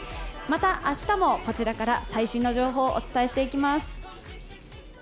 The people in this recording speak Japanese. また、明日もこちらから最新の情報お伝えしていきます。